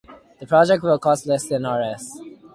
The project will cost less than Rs.